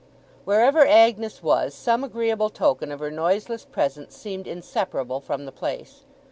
Wherever Agnes was, some agreeable token of her noiseless presence seemed inseparable from the place.